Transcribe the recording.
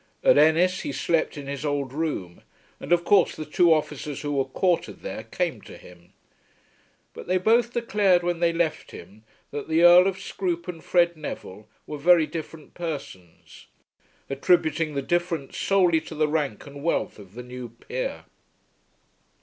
At Ennis he slept in his old room, and of course the two officers who were quartered there came to him. But they both declared when they left him that the Earl of Scroope and Fred Neville were very different persons, attributing the difference solely to the rank and wealth of the new peer.